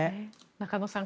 中野さん